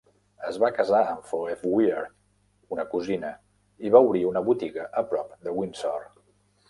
Es va casar amb Phoebe Wier, una cosina, i va obrir una botiga a prop de Windsor.